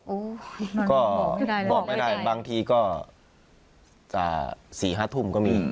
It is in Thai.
โอ้ยก็บอกไม่ได้บอกไม่ได้บางทีก็อ่าสี่ห้าทุ่มก็มีอืม